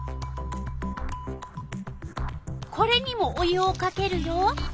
これにもお湯をかけるよ！